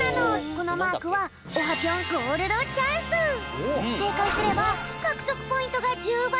このマークはせいかいすればかくとくポイントが１０ばいになるよ！